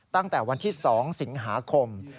ตั้งแต่วันที่๒สิงหาคม